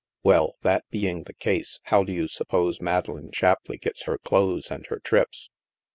" Well, that being the case, how do you suppose Madeleine Shapleigh gets her clothes and her trips